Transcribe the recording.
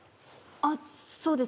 あっそうですね。